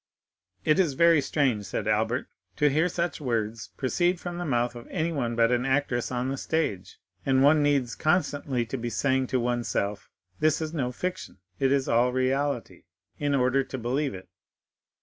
'" "It is very strange," said Albert, "to hear such words proceed from the mouth of anyone but an actress on the stage, and one needs constantly to be saying to one's self, 'This is no fiction, it is all reality,' in order to believe it.